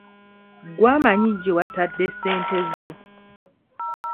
Gwe amanyi gye watadde ssente zo.